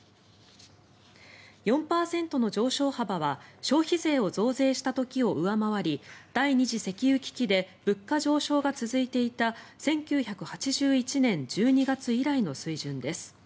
４％の上昇幅は消費税を増税した時を上回り第２次石油危機で物価上昇が続いていた１９８１年１２月以来の水準です。